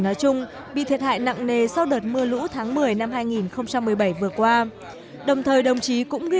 nói chung bị thiệt hại nặng nề sau đợt mưa lũ tháng một mươi năm hai nghìn một mươi bảy vừa qua đồng thời đồng chí cũng ghi